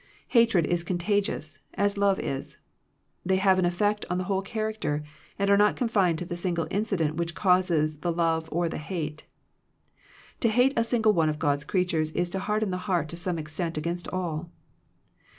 Hatred is contagious, as love is. They have an effect on the whole character, dnd are not confined to the single inci* dent which causes the love or the hate. To hate a single one of God's creatures is to harden the heart to some extent against all.